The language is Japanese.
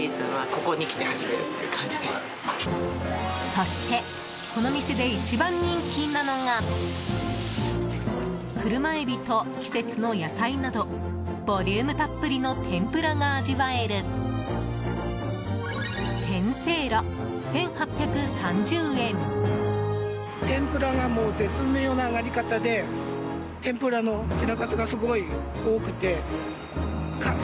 そして、この店で一番人気なのが車エビと季節の野菜などボリュームたっぷりの天ぷらが味わえる天せいろ、１８３０円。続いてやってきたのは。